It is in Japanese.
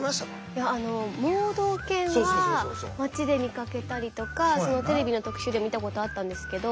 いや盲導犬は街で見かけたりとかテレビの特集で見たことあったんですけど